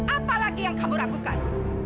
apa lagi yang kamu ragukan